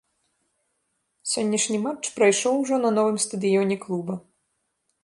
Сённяшні матч прайшоў ужо на новым стадыёне клуба.